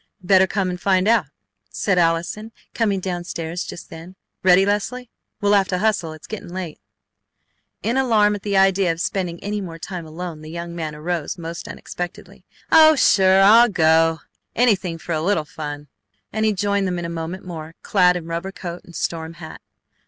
"Better come and find out," said Allison, coming down stairs just then. "Ready, Leslie? We'll have to hustle. It's getting late." In alarm at the idea of spending any more time alone the young man arose most unexpectedly. "Oh, sure! I'll go! Anything for a little fun!" and he joined them in a moment more, clad in rubber coat and storm hat.